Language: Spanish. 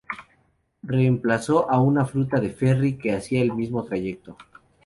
Reemplazó a una ruta de ferry que hacía el mismo trayecto.